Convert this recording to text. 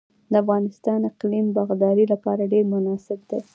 د افغانستان اقلیم د باغدارۍ لپاره ډیر مناسب دی.